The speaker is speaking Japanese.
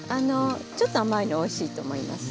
ちょっと甘いのおいしいと思います。